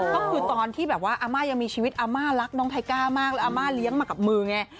ก็คือตอนที่แบบว่าอาม่ายังมีชีวิตอาม่ารักน้องไทก้ามากแล้วอาม่าเลี้ยงมากับมือไง